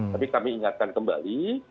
tapi kami ingatkan kembali